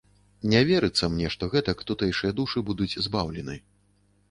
Не верыцца мне, што гэтак тутэйшыя душы будуць збаўлены.